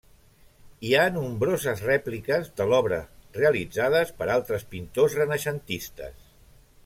Hi ha nombroses rèpliques de l'obra realitzades per altres pintors renaixentistes.